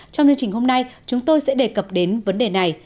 trong chương trình hôm nay chúng tôi sẽ đề cập đến vấn đề này